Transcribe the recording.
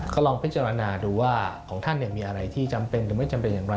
ก็ลองพิจารณาดูว่าของท่านมีอะไรที่จำเป็นหรือไม่จำเป็นอย่างไร